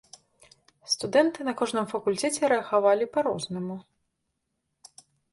Студэнты на кожным факультэце рэагавалі па-рознаму.